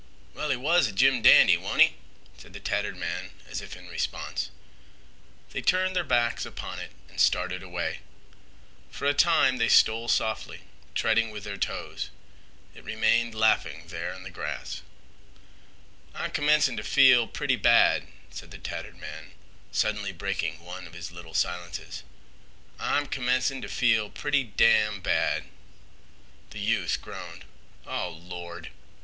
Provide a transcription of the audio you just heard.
"Well, he was a jim dandy, wa'n't 'e?" said the tattered man as if in response. They turned their backs upon it and started away. For a time they stole softly, treading with their toes. It remained laughing there in the grass. "I'm commencin' t' feel pretty bad," said the tattered man, suddenly breaking one of his little silences. "I'm commencin' t' feel pretty damn' bad." The youth groaned. "Oh Lord!"